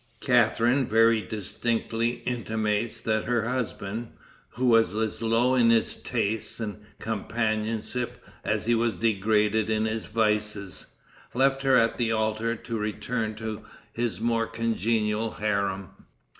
Catharine very distinctly intimates that her husband, who was as low in his tastes and companionship as he was degraded in his vices, left her at the altar, to return to his more congenial harem.